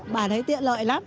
bạn thấy tiện lợi lắm